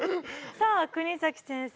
さあ国崎先生